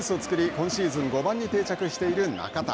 今シーズン５番に定着している中田。